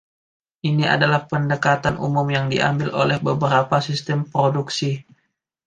Ini adalah pendekatan umum yang diambil oleh beberapa sistem produksi.